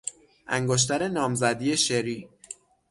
انگشتر نامزدی شری